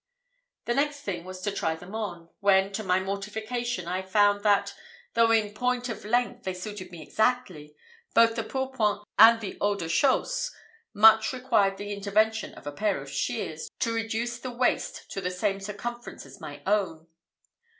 The next thing was to try them on, when, to my mortification, I found that, though in point of length they suited me exactly, both the pourpoint and the haut de chausse much required the intervention of a pair of shears to reduce the waist to the same circumference as my own.